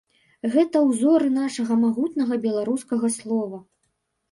Гэта ўзоры нашага магутнага беларускага слова.